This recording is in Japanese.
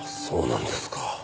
そうなんですか。